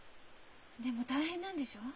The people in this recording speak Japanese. でも大変なんでしょ？